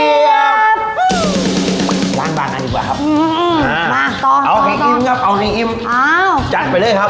ร้านบ้านอันนี้เปล่าครับเอาข้างอิ่มจัดไปเลยครับ